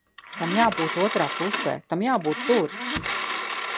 Tam jābūt otrā pusē. Tam jābūt tur!